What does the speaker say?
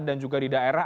dan juga di daerah